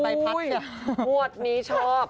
โอ้โหมวดนี้ชอบ